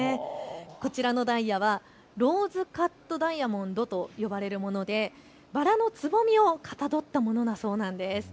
こちらのダイヤはローズカットダイヤモンドと呼ばれるものでバラのつぼみをかたどったものなんだそうです。